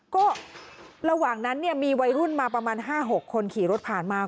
ก็ระหว่างนั้นเนี่ยมีวัยรุ่นมาประมาณ๕๖คนขี่รถผ่านมา